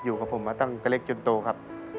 อยู่กับผมมาตั้งแต่เล็กจนโตครับ